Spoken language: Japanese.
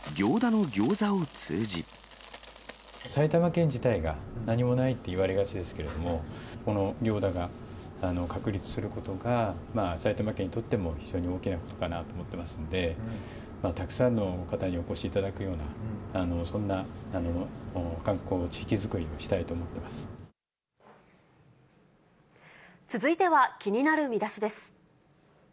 埼玉県自体が何もないって言われがちですけれども、この行田が確立することが、埼玉県にとっても非常に大きなことかなと思ってますので、たくさんの方にお越しいただくような、そんな観光地域づくりをし続いては、気になるミダシです。